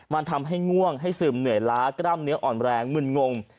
มันทำให้ง่วงให้ซึมเหนื่อยล้ากล้ามเนื้ออ่อนแรงมึนงง